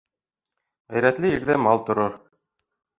Ғәйрәтле ерҙә мал торор.